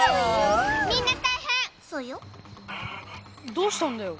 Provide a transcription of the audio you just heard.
どうしたんだよ？